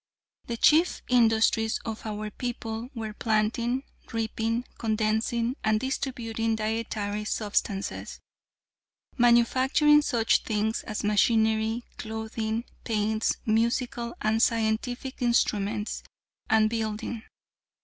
"The chief industries of our people were planting, reaping, condensing and distributing dietary substances; manufacturing such things as machinery, clothing, paints, musical and scientific instruments, and building.